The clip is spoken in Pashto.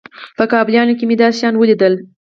په کابليانو کښې مې داسې شيان وليدل.